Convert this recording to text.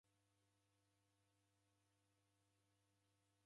Agho maboksi gheka mengi.